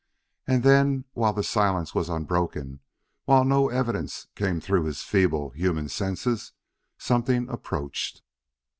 And then, while the silence was unbroken, while no evidence came through his feeble, human senses, something approached.